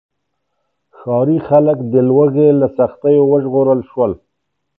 ښاري خلک د لوږې له سختیو وژغورل شول.